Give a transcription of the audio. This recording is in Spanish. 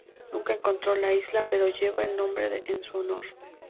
Nunca encontró la isla, pero lleva el nombre en su honor.